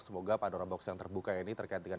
semoga pandora box yang terbuka ini terkait dengan